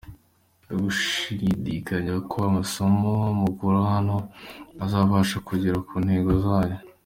Ntagushidikanya ko amasomo mukurahano azabasha kugera ku ntego zanyu".